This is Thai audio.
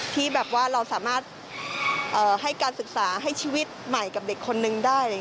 ที่แบบว่าเราสามารถให้การศึกษาให้ชีวิตใหม่กับเด็กคนนึงได้